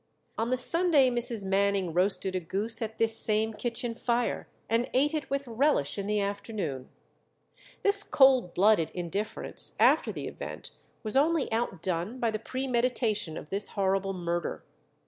On the Sunday Mrs. Manning roasted a goose at this same kitchen fire, and ate it with relish in the afternoon. This cold blooded indifference after the event was only outdone by the premeditation of this horrible murder.